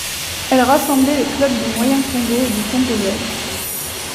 Elle rassemblait les clubs du Moyen-Congo et du Congo belge.